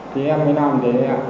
thì em mới làm thế